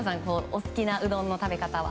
お好きなうどんの食べ方は？